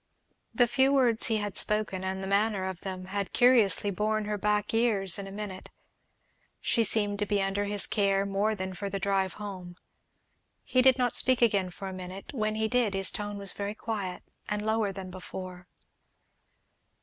The few words he had spoken, and the manner of them, had curiously borne her back years in a minute; she seemed to be under his care more than for the drive home. He did not speak again for a minute; when he did his tone was very quiet and lower than before.